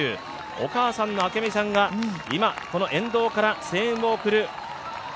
お母さんの明美さんが今、この沿道から声援を送る。